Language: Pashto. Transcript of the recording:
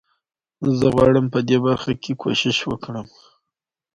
له بلې خوا وژنې او ځانمرګي وینو.